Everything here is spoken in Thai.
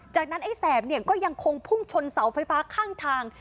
จากนั้นไอ้แสบเนี่ยก็ยังคงพุ่งชนเสาไฟฟ้าข้างทาง